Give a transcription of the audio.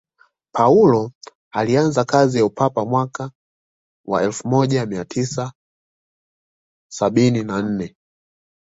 paulo alianza kazi ya upapa mwaka wa elfu moja mia tisa sabini na nane